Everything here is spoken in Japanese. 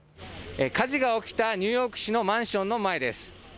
火事が起きたニューヨーク市のマンションの前です。